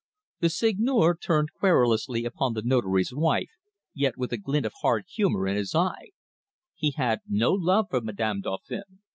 The Seigneur turned querulously upon the Notary's wife, yet with a glint of hard humour in his eye. He had no love for Madame Dauphin.